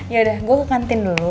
yaudah gue ke kantin dulu